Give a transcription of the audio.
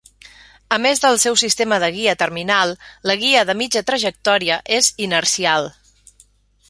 A més del seu sistema de guia terminal, la guia de mitja trajectòria és inercial.